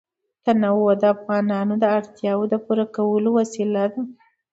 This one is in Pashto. تنوع د افغانانو د اړتیاوو د پوره کولو وسیله ده.